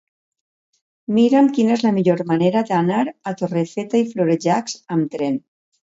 Mira'm quina és la millor manera d'anar a Torrefeta i Florejacs amb tren.